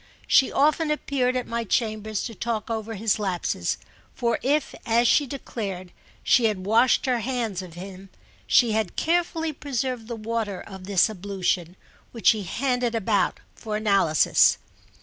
She often appeared at my chambers to talk over his lapses; for if, as she declared, she had washed her hands of him, she had carefully preserved the water of this ablution, which she handed about for analysis.